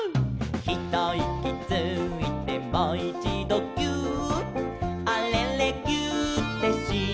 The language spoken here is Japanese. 「ひといきついてもいちどぎゅーっ」「あれれぎゅーってしたら」